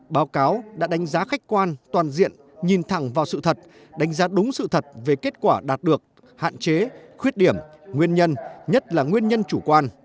báo cáo đã đánh giá khách quan toàn diện nhìn thẳng vào sự thật đánh giá đúng sự thật về kết quả đạt được hạn chế khuyết điểm nguyên nhân nhất là nguyên nhân chủ quan